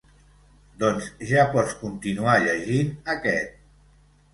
Doncs ja pots continuar llegint aquest.